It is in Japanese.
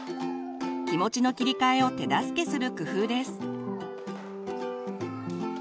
気持ちの切り替えを手助けする工夫です。